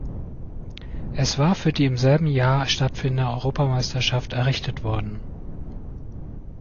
Es war für die im selben Jahr stattfindende Europameisterschaft errichtet worden.